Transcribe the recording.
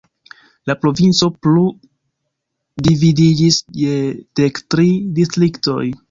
La provinco plu dividiĝis je dek tri distriktoj.